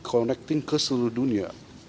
connecting ke seluruh dunia